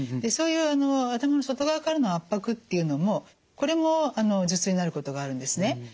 そういう頭の外側からの圧迫っていうのもこれも頭痛になることがあるんですね。